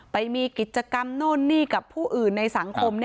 ไปมีกิจกรรมนู่นนี่กับผู้อื่นในสังคม